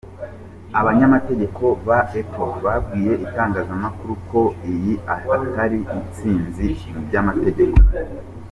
Abanyamategeko ba Apple babwiye itangazamakuru ko iyi atari intsinzi mu by'amategeko.